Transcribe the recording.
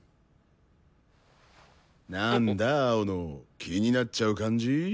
なんだ青野気になっちゃう感じ？